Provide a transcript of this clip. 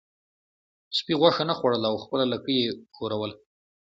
سپي غوښه نه خوړله او خپله لکۍ یې ښوروله.